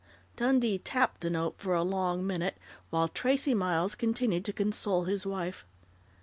Dundee tapped the note for a long minute, while Tracey Miles continued to console his wife.